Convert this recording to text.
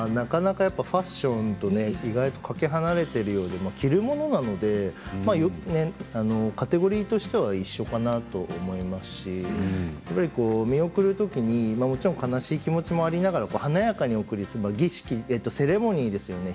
ファッションとかけ離れているように思いますけれど着るものですのでカテゴリーとしては一緒かなと思いますしやっぱり見送るときにもちろん悲しい気持ちもありながら華やかに送る儀式セレモニーですからね